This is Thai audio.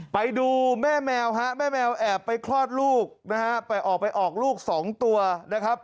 ไปดูแม่แมวแม่แมวแอบไปคลอดลูกไปออกลูก๒ตัวนะครับ